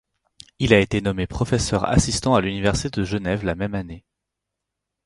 Il a été nommé professeur assistant à l'université de Genève la même année.